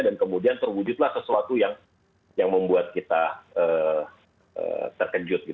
dan kemudian terwujudlah sesuatu yang membuat kita terkejut